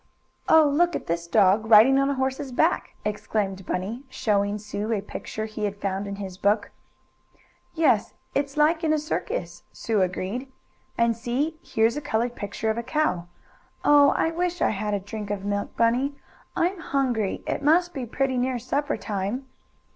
"Oh, look at this dog, riding on a horse's back!" exclaimed Bunny, showing Sue a picture he had found in his book. "Yes, it's like in a circus," Sue agreed. "And see, here's a colored picture of a cow. Oh, I wish I had a drink of milk, Bunny. I'm hungry! It must be pretty near supper time."